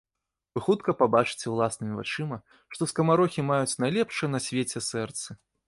Вы хутка пабачыце ўласнымі вачыма, што скамарохі маюць найлепшыя на свеце сэрцы.